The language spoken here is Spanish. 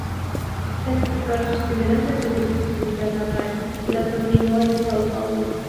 Tras efectuar sus primeros estudios en su ciudad natal, los continuó en São Paulo.